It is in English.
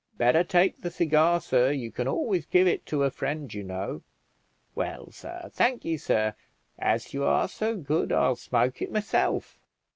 Better take the cigar, sir, you can always give it to a friend, you know. Well, sir, thank ye, sir; as you are so good, I'll smoke it myself."